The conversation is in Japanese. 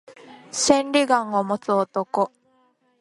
千里眼を持つ男